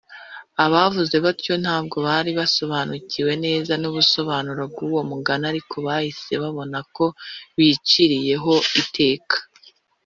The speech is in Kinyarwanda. ’ abavuze batyo ntabwo bari basobanukiwe neza n’ubusobanuro bw’uwo mugani, ariko bahise babona ko biciriyeho iteka